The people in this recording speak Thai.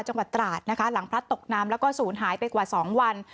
จังหวัดตราดนะคะหลังพลัดตกน้ำแล้วก็ศูนย์หายไปกว่า๒วัน